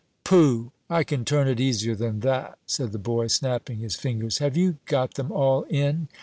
"Poh! I can turn it easier than that," said the boy, snapping his fingers; "have you got them all in?"